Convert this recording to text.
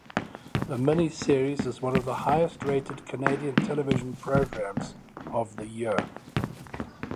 The miniseries was one of the highest-rated Canadian television programs of the year.